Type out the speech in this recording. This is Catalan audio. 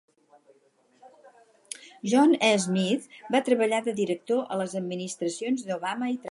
John E. Smith va treballar de director a les administracions d'Obama i Trump.